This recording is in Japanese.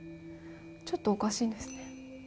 ちょっとおかしいんですね。